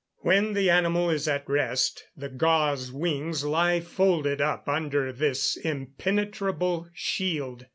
When the animal is at rest, the gauze wings lie folded up under this impenetrable shield.